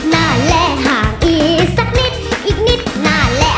น่าแลห่างอีกสักนิดอีกนิดน่าแล